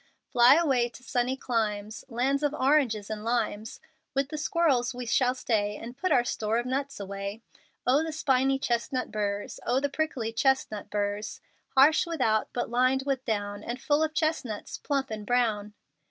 Fly away to sunny climes, Lands of oranges and limes; With the squirrels we shall stay And put our store of nuts away. O the spiny chestnut burrs! O the prickly chestnut burrs! Harsh without, but lined with down, And full of chestnuts, plump and brown.